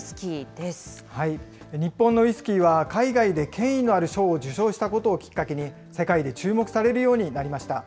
日本のウイスキーは、海外で権威のある賞を受賞したことをきっかけに、世界で注目されるようになりました。